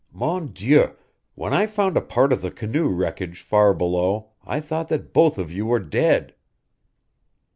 MON DIEU, when I found a part of the canoe wreckage far below I thought that both of you were dead!"